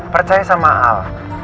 percaya sama al